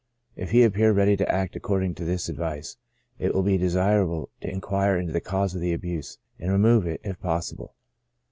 If he appear ready to act according to this advice, it will be desirable to inquire into the cause of the abuse, and remove it, if possible.